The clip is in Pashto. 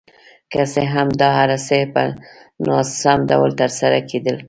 که څه هم دا هر څه په ناسم ډول ترسره کېدل.